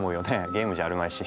ゲームじゃあるまいし。